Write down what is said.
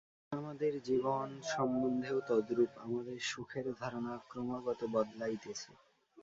আমাদের জীবন সম্বন্ধেও তদ্রূপ, আমাদের সুখের ধারণা ক্রমাগত বদলাইতেছে।